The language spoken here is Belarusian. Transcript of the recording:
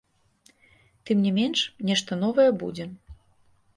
Тым не менш, нешта новае будзе.